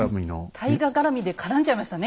大河絡みで絡んじゃいましたね